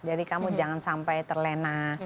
jadi kamu jangan sampai terlena